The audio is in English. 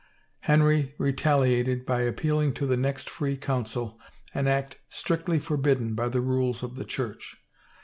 Henry retaliate by appealing to the next free council, an act strictly for bidden by the rules of the church.